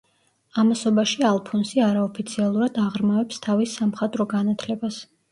ამასობაში ალფონსი არაოფიციალურად აღრმავებს თავის სამხატვრო განათლებას.